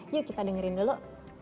yuk kita dengerin dulu